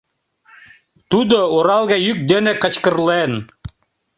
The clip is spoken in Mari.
Тудо, оралге йӱк дене кычкырлен.